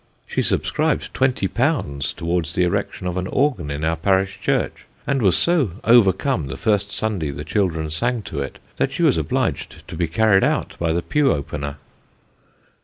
She subscribed twenty pounds towards the erection of an organ in our parish church, and was so overcome the first Sunday the children sang to it, that she was obliged to be carried out by the pew opener.